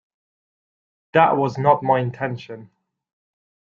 That was not my intention.